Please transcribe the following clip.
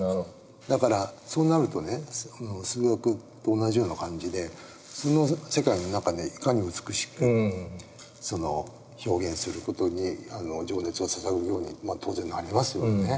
だからそうなるとね数学と同じような感じでその世界の中でいかに美しく表現する事に情熱をささぐように当然なりますよね。